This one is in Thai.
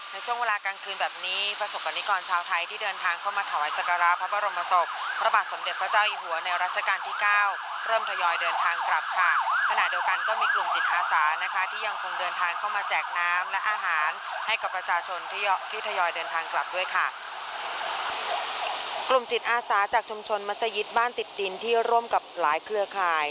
กลุ่มจิตอาศาจากชมชนมัศยิตบ้านติดตินที่ร่วมกับหลายเครือคลาย